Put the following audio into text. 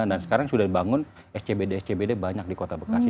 nah sekarang sudah dibangun scbd scbd banyak di kota bekasi